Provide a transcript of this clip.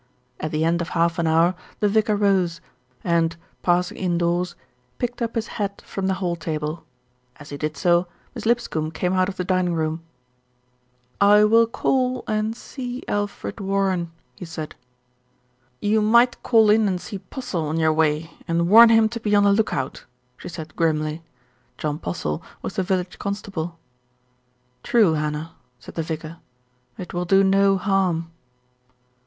At the end of half an hour the vicar rose and, pass ing indoors, picked up his hat from the hall table. As he did so, Miss Lipscombe came out of the dining room. "I will call and see Alfred Warren," he said. "You might call in and see Postle on your way and warn him to be on the look out," she said grimly. John Postle was the village constable. "True, Hannah," said the vicar, "it will do no harm."